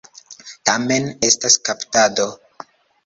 Tamen estas kaptado.